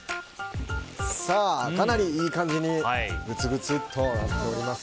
かなりいい感じにグツグツとなっております。